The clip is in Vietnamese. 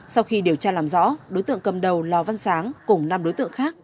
sau khi điều tra làm rõ đối tượng cầm đầu lò văn sáng cùng năm đối tượng khác